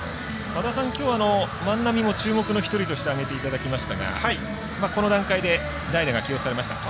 和田さん、きょうは万波も注目の１人として挙げていただきましたがこの段階で代打が起用されました。